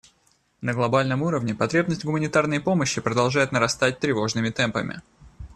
На глобальном уровне потребность в гуманитарной помощи продолжает нарастать тревожными темпами.